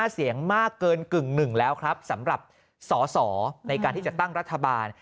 เสียงมากเกินกึ่งหนึ่งแล้วครับสำหรับสอสอในการที่จะตั้งรัฐบาล